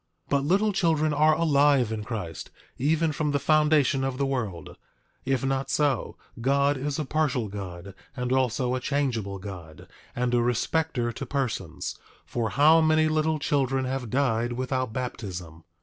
8:12 But little children are alive in Christ, even from the foundation of the world; if not so, God is a partial God, and also a changeable God, and a respecter to persons; for how many little children have died without baptism!